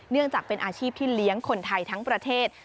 เนื่องจากเป็นอาชีพที่เลี้ยงคนไทยทั้งประเทศ